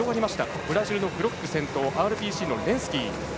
ブラジルのグロックが先頭で２位にレンスキー。